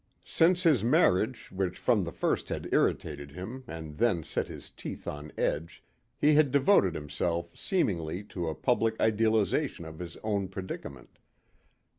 Since his marriage which from the first had irritated him and then set his teeth on edge, he had devoted himself seemingly to a public idealization of his own predicament.